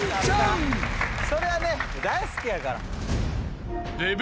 そりゃあね大好きやから。